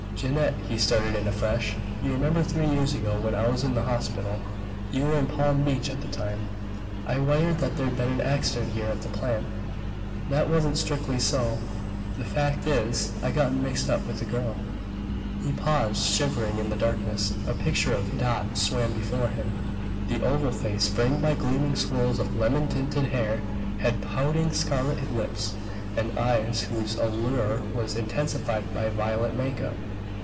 "Jeannette," he started in afresh, "you remember three years ago when I was in the hospital. You were in Palm Beach at the time, and I wired that there'd been an accident here at the plant. That wasn't strictly so. The fact is, I'd gotten mixed up with a girl " He paused, shivering. In the darkness a picture of Dot swam before him. The oval face, framed by gleaming swirls of lemon tinted hair, had pouting scarlet lips, and eyes whose allure was intensified by violet make up.